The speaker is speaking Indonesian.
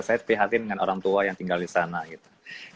saya prihatin dengan orang tua yang tinggal di sana gitu